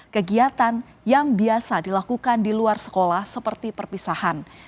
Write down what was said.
kegiatan yang biasa dilakukan di luar sekolah seperti perpisahan